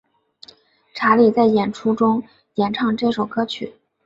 查理在演出中演唱这首歌曲。